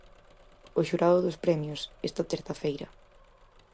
O xurado dos premios, esta terza feira.